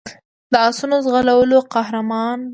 د آسونو ځغلولو قهرمان پېژني.